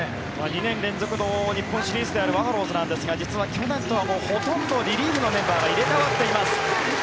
２年連続の日本シリーズであるバファローズですが実は去年とはほとんどリリーフのメンバーが入れ替わっています。